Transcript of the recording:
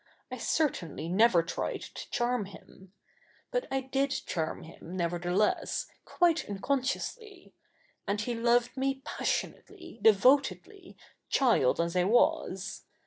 I certainly never tried to charm him. But I did charm hi?n, nevertheless, quite uncon sciously. A?id he loved ??ie passionately, devotedly, child as I zvas.